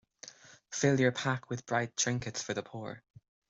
Fill your pack with bright trinkets for the poor.